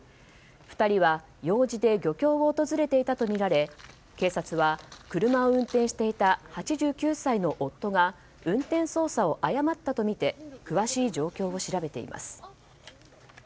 ２人は用事で漁協を訪れていたとみられ警察は車を運転していた８９歳の夫が運転操作を誤ったとみて詳しい状況を調べています。